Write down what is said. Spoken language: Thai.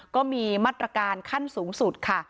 ก็มีมาตรการขั้นสูงสุดค่ะ